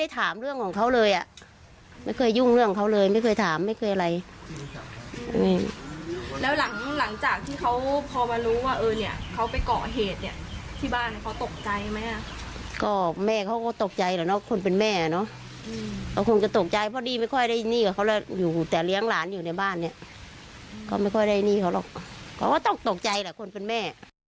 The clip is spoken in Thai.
ตอนนี้พ่อคดีไม่ค่อยได้เงินให้เขาไม่ใช่แบบว่าต้องตกใจแหละคนเป็นแม่